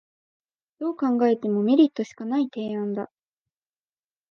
どう考えてもメリットしかない提案だ